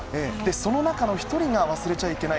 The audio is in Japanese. その中の１人が忘れちゃいけない